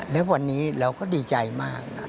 แล้ววันนี้เราก็ดีใจมาก